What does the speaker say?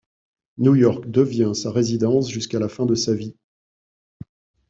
New York devient sa résidence jusqu'à la fin de sa vie.